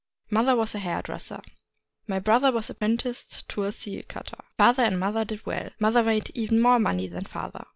Mother was a hair dresser. My brother was apprenticed to a seal cutter. " Father and mother did well : mother made even more money than father.